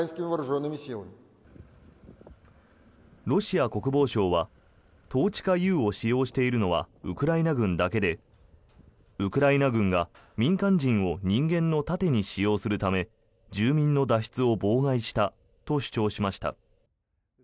ロシア国防省はトーチカＵを使用しているのはウクライナ軍だけでウクライナ軍が民間人を人間の盾に使用するため住民の脱出を妨害したと主張しました。